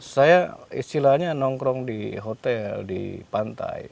saya istilahnya nongkrong di hotel di pantai